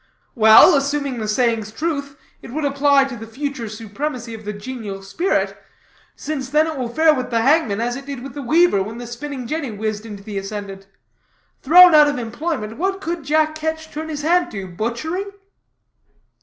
"Well, assuming the saying's truth, it would apply to the future supremacy of the genial spirit, since then it will fare with the hangman as it did with the weaver when the spinning jenny whizzed into the ascendant. Thrown out of employment, what could Jack Ketch turn his hand to? Butchering?"